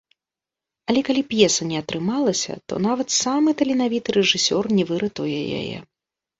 Але калі п'еса не атрымалася, то нават самы таленавіты рэжысёр не выратуе яе.